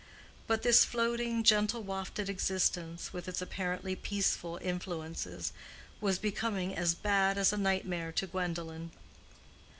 But this floating, gentle wafted existence, with its apparently peaceful influences, was becoming as bad as a nightmare to Gwendolen.